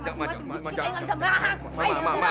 ini bukan saya yang bisa marah